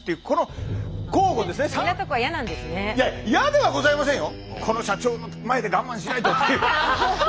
いや嫌ではございませんよ。